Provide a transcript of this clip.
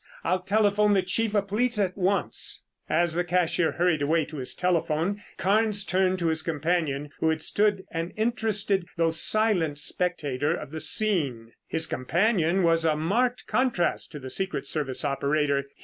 I'll telephone the chief of police at once." As the cashier hurried away to his telephone Carnes turned to his companion who had stood an interested, although silent spectator of the scene. His companion was a marked contrast to the secret service operator.